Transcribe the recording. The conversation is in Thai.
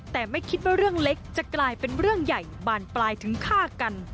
แต่ไม่คิดว่าเรื่องเล็กจะกลายเป็นเรื่องใหญ่บานปลายถึงฆ่ากัน